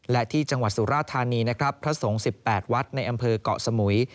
และที่จังหวัดสุราธานีนะครับพระสงฆ์๑๘วัดในอำเภอกเกาะสมุย